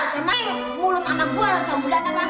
sama mulut anak gua jambulan dengan